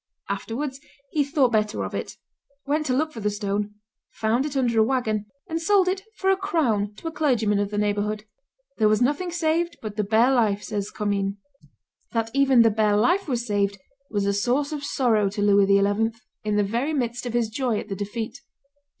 Afterwards he thought better of it; went to look for the stone, found it under a wagon, and sold it for a crown to a clergyman of the neighborhood. "There was nothing saved but the bare life," says Commynes. That even the bare life was saved was a source of sorrow to Louis XI. in the very midst of his joy at the defeat.